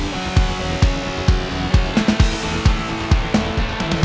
sampai kapanpun gue akan pernah jauhin putri